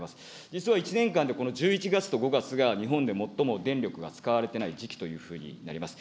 実は１年間でこの１１月と５月が日本で最も電力が使われてない時期というふうになります。